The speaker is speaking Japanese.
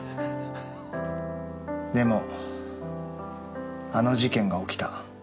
でもあの事件が起きた。